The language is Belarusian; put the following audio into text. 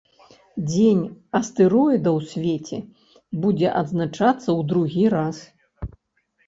Дзень астэроіда ў свеце будзе адзначацца ў другі раз.